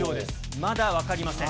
まだ分かりません。